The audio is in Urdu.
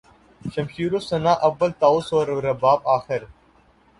شمشیر و سناں اول طاؤس و رباب آخر